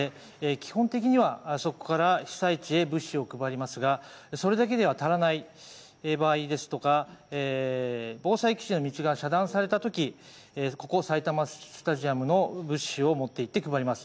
基本的にはそこから被災地へ物資を配りますがそこだけでは足りない場合、道が遮断された場合、ここ埼玉スタジアムの物資を持っていって配ります。